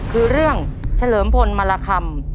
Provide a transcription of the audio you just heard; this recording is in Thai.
คือเรื่องเฉลิมพลมาราคำ